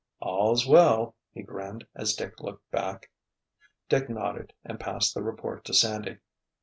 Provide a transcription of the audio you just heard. "All's well!" he grinned as Dick looked back. Dick nodded and passed the report to Sandy.